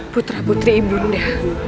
putra putri ibu nanda